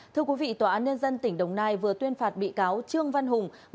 thưa quý vị tòa án nhân dân tỉnh đồng nai vừa tuyên phạt bị cáo trương văn hùng